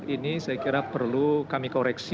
ini saya kira perlu kami koreksi